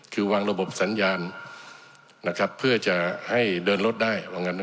คือวางระบบสัญญาณนะครับเพื่อจะให้เดินรถได้ว่างั้น